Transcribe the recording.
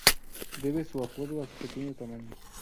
Debe su apodo a su pequeño tamaño.